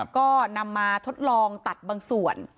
ก็นำมาทดลองตัดบางส่วน